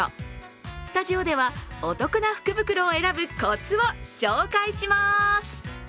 スタジオでは、お得な福袋を選ぶコツを紹介します！